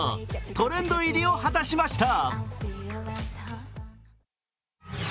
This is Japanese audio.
トレンド入りを果たしました。